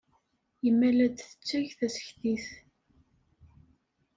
Yemma la d-tetteg tasektit.